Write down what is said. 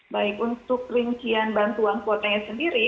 baik untuk rincian bantuan kuotanya sendiri